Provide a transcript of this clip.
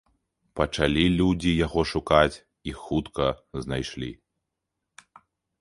Пачалі людзі яго шукаць і хутка знайшлі.